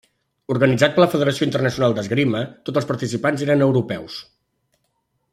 Organitzat per la Federació Internacional d'Esgrima, tots els participants eren europeus.